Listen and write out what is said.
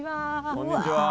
こんにちは。